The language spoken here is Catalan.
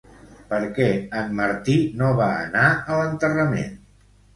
Per què en Martí no va anar a l'enterrament?